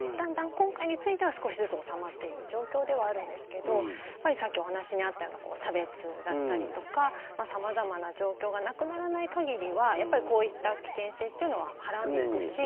今回については少しずつ収まっている状況ではあるんですけどさっきお話にあったような差別だったりとか様々な状況がなくならない限りはやっぱり、こういった危険性っていうのははらんでいくし